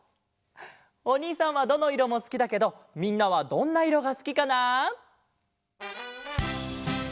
おにいさんはどのいろもすきだけどみんなはどんないろがすきかな？